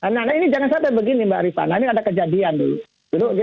nah ini jangan sampai begini mbak rifana ini ada kejadian dulu